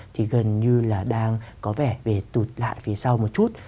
thì gần như là đang có vẻ về tụt lại phía sau một chút